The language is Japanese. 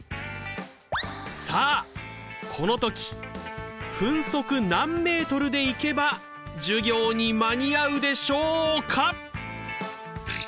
さあこの時分速何メートルで行けば授業に間に合うでしょうか？